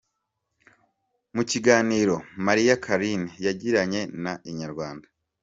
Mu kiganiro Malia Carine yagiranye na Inyarwanda.